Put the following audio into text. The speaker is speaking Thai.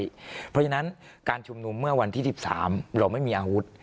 เพราะฉะนั้นการชุมนุมเมื่อวันที่๑๓เราไม่มีอาวุธ